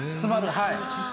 はい。